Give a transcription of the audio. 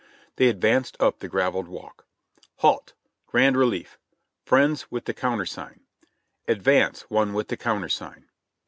They advanced up the gravelled walk, "Halt! Grand relief! Friends with the countersign," ''Advance, one with the countersign!"